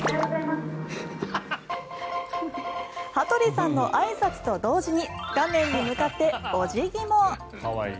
羽鳥さんのあいさつと同時に画面に向かってお辞儀も。